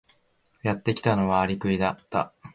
やってきたのはアリクイだった。